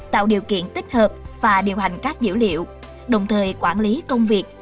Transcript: tạo điều kiện tích hợp và điều hành các dữ liệu đồng thời quản lý công việc